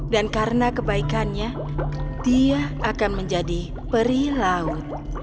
dan karena kebaikannya dia akan menjadi peri laut